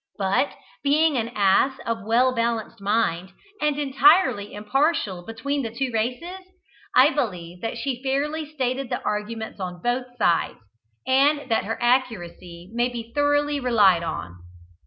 But, being an ass of well balanced mind, and entirely impartial between the two races, I believe that she fairly stated the arguments on both sides, and that her accuracy may be thoroughly relied on.